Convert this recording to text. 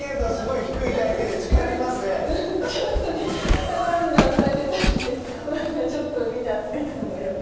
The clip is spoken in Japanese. ツタバウンラン咲いてたんでこれねちょっと見ちゃってたのよね。